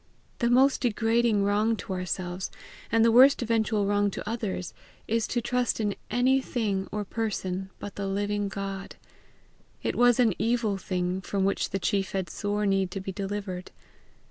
The most degrading wrong to ourselves, and the worst eventual wrong to others, is to trust in any thing or person but the living God: it was an evil thing from which the chief had sore need to be delivered.